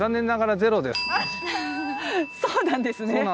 そうなんですね。